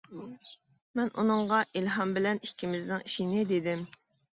مەن ئۇنىڭغا ئىلھام بىلەن ئىككىمىزنىڭ ئىشىنى دېدىم.